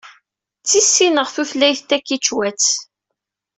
Ttisineɣ tutlayt takičwatt.